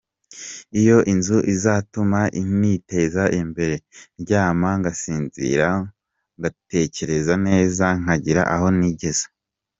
Iyi nzu izatuma niteza imbere ndyama ngasinzira ngatekereza neza nkagira aho nigeza.